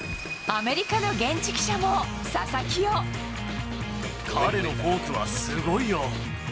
アメリカの現地記者も、彼のフォークはすごいよ。